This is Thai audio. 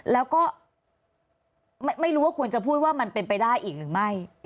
แล้วก็ไม่รู้ว่าควรจะพูดว่ามันเป็นไปได้อีกหรือไม่